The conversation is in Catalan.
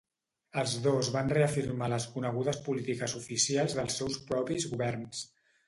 Els dos van reafirmar les conegudes polítiques oficials dels seus propis governs.